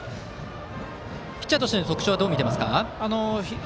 ピッチャーとしての特徴はどうですか。